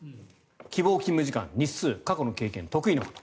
希望勤務時間、日数過去の経験、得意なこと。